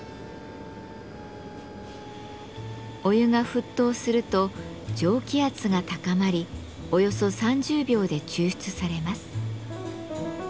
お湯が沸騰すると蒸気圧が高まりおよそ３０秒で抽出されます。